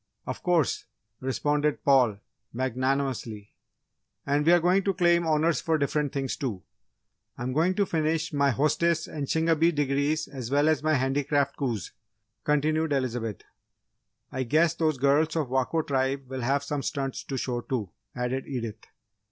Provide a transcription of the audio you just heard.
"Of course!" responded Paul, magnanimously. "And we're going to claim Honours for different things, too! I'm going to finish my Hostess and Shingebis Degrees as well as my Handicraft coups," continued Elizabeth. "I guess those girls of Wako Tribe will have some stunts to show, too," added Edith.